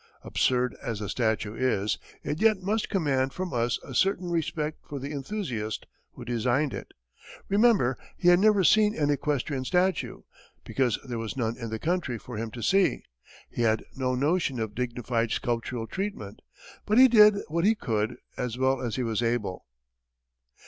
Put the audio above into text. Absurd as the statue is, it yet must command from us a certain respect for the enthusiast who designed it. Remember, he had never seen an equestrian statue, because there was none in the country for him to see; he had no notion of dignified sculptural treatment; but he did what he could, as well as he was able.